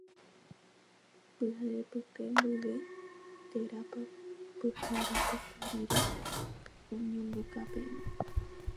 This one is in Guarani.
Pyharepyte mboyve térãpa pyharepyte rire oñanduka peẽme.